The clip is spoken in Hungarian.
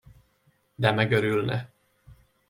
De megörülne!